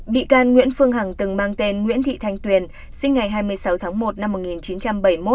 bị can nguyễn phương hằng từng mang tên nguyễn thị thanh tuyền sinh ngày hai mươi sáu tháng một năm một nghìn chín trăm bảy mươi một